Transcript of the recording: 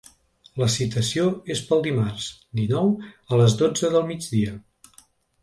La citació és pel dimarts, dinou, a les dotze del migdia.